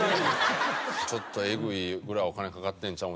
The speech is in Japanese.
ちょっとエグいぐらいお金かかってちゃうん？